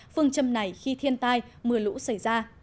phương châm này khi thiên tai mưa lũ xảy ra